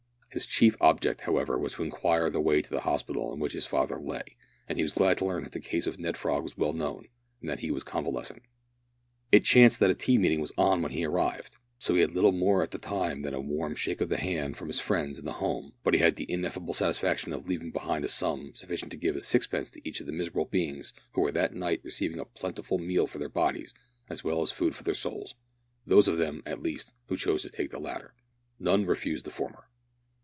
His chief object, however, was to inquire the way to the hospital in which his father lay, and he was glad to learn that the case of Ned Frog was well known, and that he was convalescent. It chanced that a tea meeting was "on" when he arrived, so he had little more at the time than a warm shake of the hand from his friends in the Home, but he had the ineffable satisfaction of leaving behind him a sum sufficient to give a sixpence to each of the miserable beings who were that night receiving a plentiful meal for their bodies as well as food for their souls those of them, at least, who chose to take the latter. None refused the former.